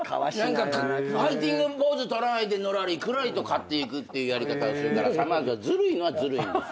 何かファイティングポーズ取らないでのらりくらりと勝っていくっていうやり方をするからさまぁずはずるいのはずるいんです。